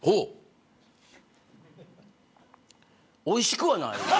おいしくはない。